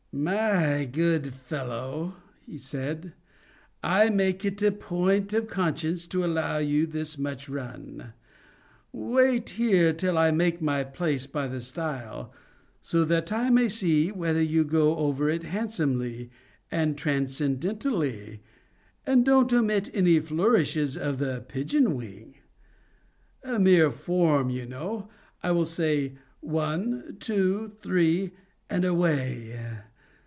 "My good fellow," said he, "I make it a point of conscience to allow you this much run. Wait here, till I take my place by the stile, so that I may see whether you go over it handsomely, and transcendentally, and don't omit any flourishes of the pigeon wing. A mere form, you know. I will say 'one, two, three, and away.